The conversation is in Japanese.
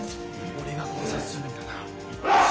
俺が考察するにだな。